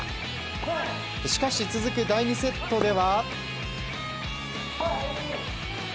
しかし続く第２セットでは。